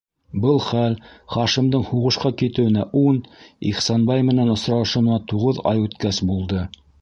Был хәл Хашимдың һуғышҡа китеүенә ун, Ихсанбай менән осрашыуына туғыҙ ай үткәс булды.